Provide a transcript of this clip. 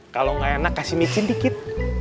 kalo ngga enak kasih micin dikit